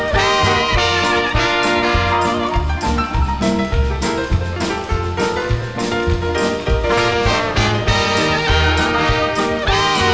โปรดติดตามต่อไป